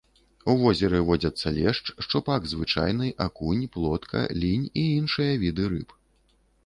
У возеры водзяцца лешч, шчупак звычайны, акунь, плотка, лінь і іншыя віды рыб.